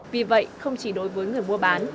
vì vậy không chỉ đối với người mua bán